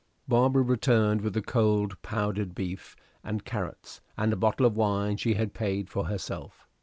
Barbara returned with the cold powdered beef and carrots, and a bottle of wine she had paid for herself.